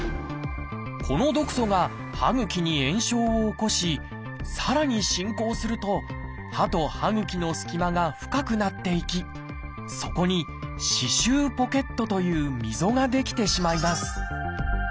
この毒素が歯ぐきに炎症を起こしさらに進行すると歯と歯ぐきの隙間が深くなっていきそこに「歯周ポケット」という溝が出来てしまいます。